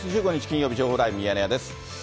金曜日、情報ライブミヤネ屋です。